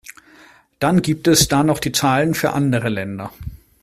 Dann gibt es da noch die Zahlen für andere Länder.